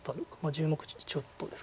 １０目ちょっとですか。